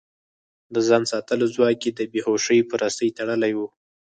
د ځان ساتلو ځواک يې د بې هوشۍ په رسۍ تړلی و.